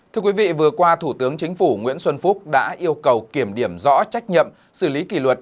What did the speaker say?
thưa quý vị vừa qua thủ tướng chính phủ nguyễn xuân phúc đã yêu cầu kiểm điểm rõ trách nhiệm xử lý kỷ luật